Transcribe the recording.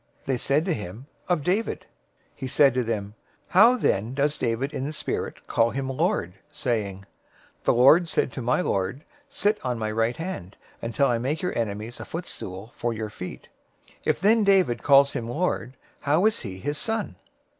They said to him, "Of David." 022:043 He said to them, "How then does David in the Spirit call him Lord, saying, 022:044 'The Lord said to my Lord, sit on my right hand, until I make your enemies a footstool for your feet?'{Psalm 110:1} 022:045 "If then David calls him Lord, how is he his son?"